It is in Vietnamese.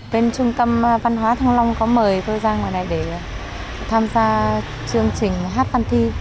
bên trung tâm văn hóa thăng long có mời tôi ra ngoài này để tham gia chương trình hát văn thi